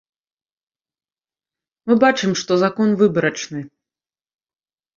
Мы бачым, што закон выбарачны.